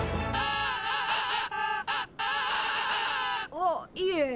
あっいえ。